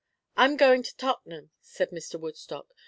"I'm going to Tottenham," said Mr. Woodstock.